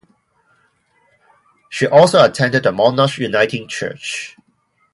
She also attended the Monash Uniting Church.